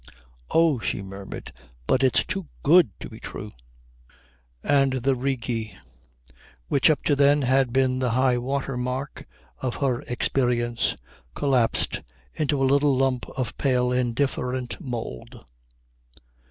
"Oh," she murmured, "but it's too good to be true " And the Rigi, which up to then had been the high water mark of her experience, collapsed into a little lump of pale indifferent mould.